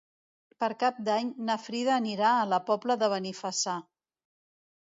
Per Cap d'Any na Frida anirà a la Pobla de Benifassà.